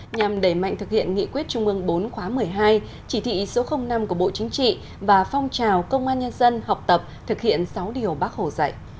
nhằm đẩy mạnh thực hiện nghị quyết trung ương bốn khóa một mươi hai chỉ thị số năm của bộ chính trị và phong trào công an nhân dân học tập thực hiện sáu điều bác hồ dạy